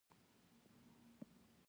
دا پاڼه د ادب ده.